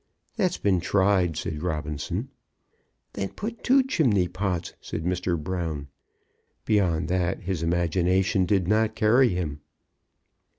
"That's been tried," said Robinson. "Then put two chimney pots," said Mr. Brown. Beyond that his imagination did not carry him.